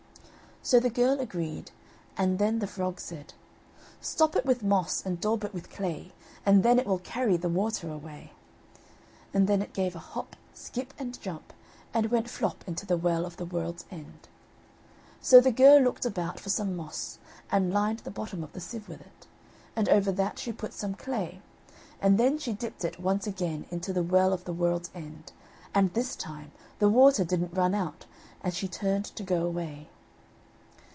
So the girl agreed, and then the frog said: "Stop it with moss and daub it with clay, And then it will carry the water away;" and then it gave a hop, skip and jump, and went flop into the Well of the World's End. So the girl looked about for some moss, and lined the bottom of the sieve with it, and over that she put some clay, and then she dipped it once again into the Well of the World's End; and this time, the water didn't run out, and she turned to go away.